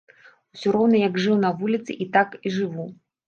Усё роўна як жыў на вуліцы, і так і жыву.